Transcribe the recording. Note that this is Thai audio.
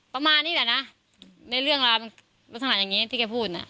ประมาณนี้แหละนะในเรื่องราวมันลักษณะอย่างนี้ที่แกพูดน่ะ